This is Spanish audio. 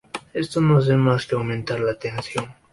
Esto no hace más que aumentar la tensión.